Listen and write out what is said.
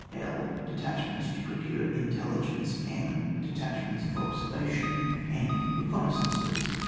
L de tachments to procure intelligence, m. Detachments of observation, fi. Beconnaissances.